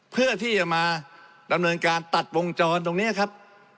เพื่อที่จะมาดำเนินการตัดวงจรตรงนี้ครับ